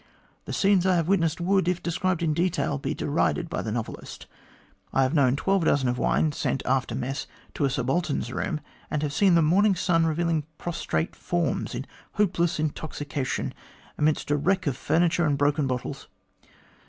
The scenes I have witnessed would, if described in detail, be derided by the novelist. I have known twelve dozen of wine sent after mess to a subaltern's room, and have seen the morning's sun revealing prostrate forms in hopeless intoxication, amidst a wreck of furniture and broken bottles.